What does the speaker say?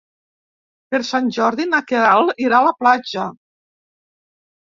Per Sant Jordi na Queralt irà a la platja.